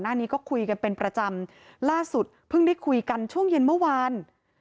หน้านี้ก็คุยกันเป็นประจำล่าสุดเพิ่งได้คุยกันช่วงเย็นเมื่อวาน